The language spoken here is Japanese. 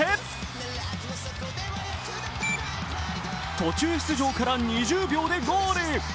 途中出場から２０秒でゴール。